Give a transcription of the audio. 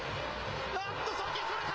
あっと、送球それた！